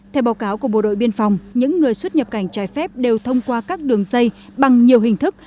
theo báo cáo của bộ đội biên phòng những người xuất nhập cảnh trái phép đều thông qua các đường dây bằng nhiều hình thức